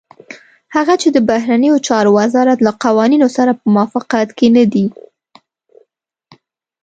هغه چې د بهرنيو چارو وزارت له قوانينو سره په موافقت کې نه دي.